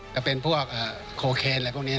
จะเป็นพวกโคเคนอะไรพวกนี้